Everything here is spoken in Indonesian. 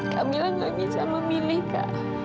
kamila gak bisa memilih kak